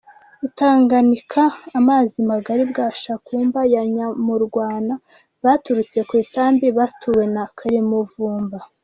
Itanganika : ”Amazi magari “ bwa Shankumba ya Nyamurwana, bwaturutse ku Itambi butuwe na Kalimumvumba.